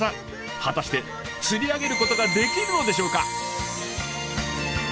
果たして釣り上げることができるのでしょうか？